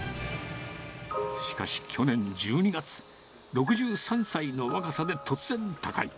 しかし去年１２月、６３歳の若さで突然他界。